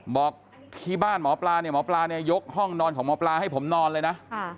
บอกที่บ้านหมอปลาเนี่ยหมอปลาเนี่ยยกห้องนอนของหมอปลาให้ผมนอนเลยนะ